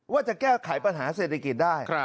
ว่าจะแก้ไขปัญหาเศรษฐกิจได้